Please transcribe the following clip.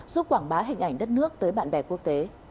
giúp quảng bá hình ảnh đất nước tới bạn bè quốc tế